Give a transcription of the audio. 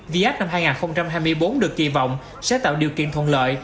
viac năm hai nghìn hai mươi bốn được kỳ vọng sẽ tạo điều kiện thuận lợi